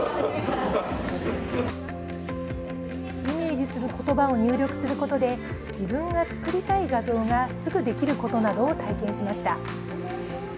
イメージすることばを入力することで自分が作りたい画像がすぐできることなどを体験しました。